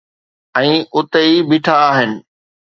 ۽ اتي ئي بيٺا آهن.